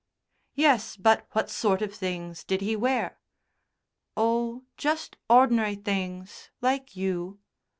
"Yes, but what sort of things did he wear?" "Oh, just ord'nary things, like you."